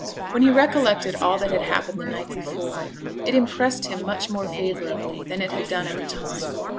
When he recollected all that had happened the night before, it impressed him much more favourably than it had done at the time.